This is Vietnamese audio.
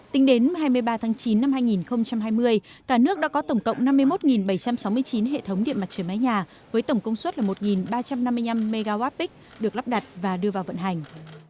tính đến hai mươi ba tháng chín năm hai nghìn hai mươi cả nước đã có tổng cộng năm mươi một bảy trăm sáu mươi chín hệ thống điện mặt trời mái nhà với tổng công suất là một ba trăm năm mươi năm mwp được lắp đặt và đưa vào vận hành